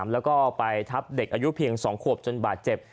แล้วก็ไปทับเด็กอายุเพียง๒ขวบจนบาดเจ็บ